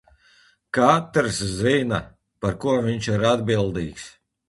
Katrs zina, par ko viņš ir atbildīgs.